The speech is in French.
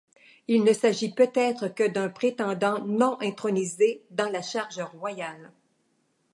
Il ne s'agit peut-être que d'un prétendant non intronisé dans la charge royale.